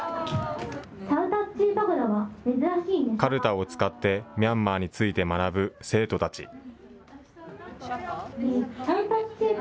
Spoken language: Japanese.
かるたを使ってミャンマーについて学ぶ生徒たち。